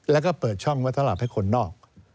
แล้วก็เปิดช่องมัตตราบให้คนนอก